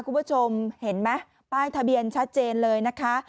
คุณผู้ชมเห็นไหมป้ายทะเบียนชัดเจนเลยนะคะ